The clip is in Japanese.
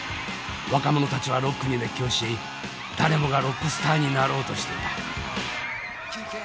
若者たちはロックに熱狂し誰もがロックスターになろうとしていた。